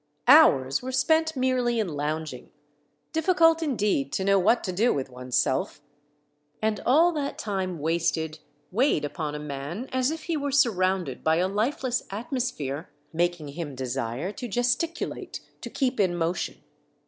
Hours were spent merely in lounging; difficult indeed to know what to do with one's self! And all that time wasted weighed upon a man as if he were surrounded by a lifeless atmosphere, making him desire to gesticu late, to Iceep in motion.